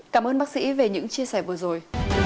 cảm ơn bác sĩ về những chia sẻ vừa rồi